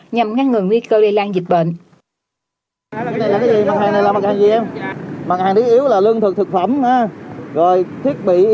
nhằm ngăn ngừng nguy cơ lây lan dịch bệnh